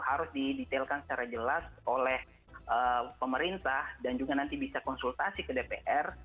harus didetailkan secara jelas oleh pemerintah dan juga nanti bisa konsultasi ke dpr